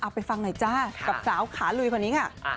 อ่ะไปฟังหน่อยจ้ากับสาวขาลุยพอนี้ไง